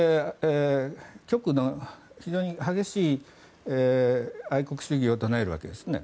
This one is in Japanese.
極右の非常に激しい愛国主義を唱えるわけですね。